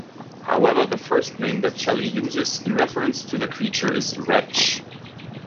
However, the first name that Shelley uses in reference to the creature is "wretch".